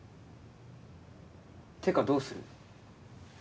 てかどうする？